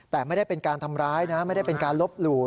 แต่ไม่ได้เป็นการทำร้ายนะไม่ได้เป็นการลบหลู่